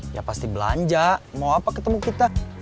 ya pasti belanja mau apa ketemu kita